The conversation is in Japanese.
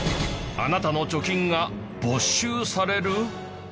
あなたの貯金が没収される？